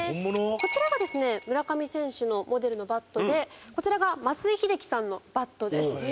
こちらがですね村上選手のモデルのバットでこちらが松井秀喜さんのバットです。